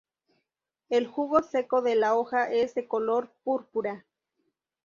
El jugo seco de la hoja es de color púrpura.